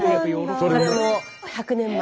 それも１００年前。